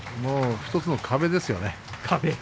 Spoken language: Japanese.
１つの壁ですね。